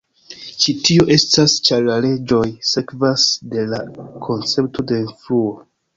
Ĉi tio estas ĉar la leĝoj sekvas de la koncepto de fluo.